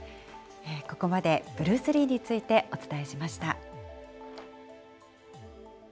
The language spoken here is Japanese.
ここまで、ブルース・リーについてお伝えしました。